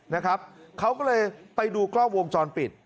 นะครับเขาก็เลยไปดูกล้องวงจรปิด